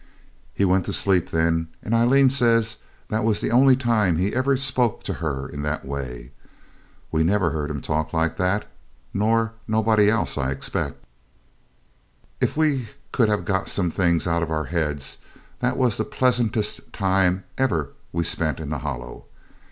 He went to sleep then, and Aileen said that was the only time he ever spoke to her in that way. We never heard him talk like that, nor nobody else, I expect. If we could have got some things out of our heads, that was the pleasantest time ever we spent in the Hollow.